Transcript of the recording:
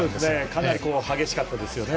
かなり激しかったですよね